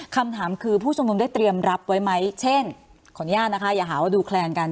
คำถามคือผู้ชมนุมได้เตรียมรับไว้ไหมเช่นขออนุญาตนะคะอย่าหาว่าดูแคลนกัน